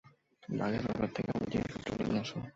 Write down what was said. Luggage-locker থেকে আমার জিনিসপত্রগুলো নিয়ে এসো।